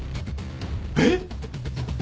えっ！？